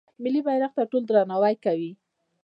ملي بیرغ ته ټول درناوی کوي.